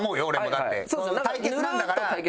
だって対決なんだから。